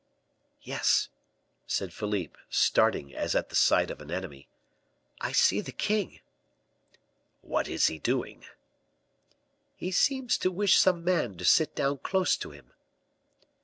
"Yes," said Philippe, starting as at the sight of an enemy; "I see the king!" "What is he doing?" "He seems to wish some man to sit down close to him." "M.